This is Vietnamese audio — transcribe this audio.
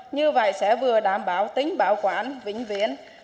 như vậy sẽ vừa đảm bảo tính bảo quản